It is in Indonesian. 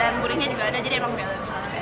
dan gurihnya juga ada jadi emang balance banget ya